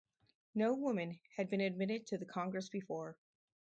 No woman had been admitted to the congress before.